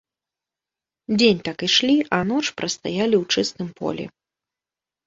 Дзень так ішлі, а ноч прастаялі ў чыстым полі.